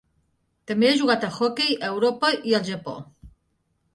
També ha jugat a hoquei a Europa i el Japó.